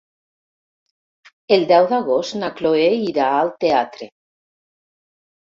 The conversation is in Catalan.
El deu d'agost na Cloè irà al teatre.